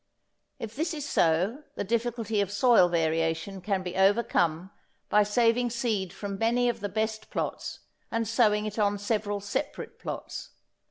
If this is so the difficulty of soil variation can be overcome by saving seed from many of the best plots, and sowing it on several separate plots.